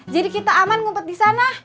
jadi kita aman ngumpet di sana